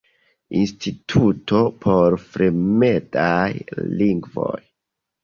Instituto por fremdaj lingvoj.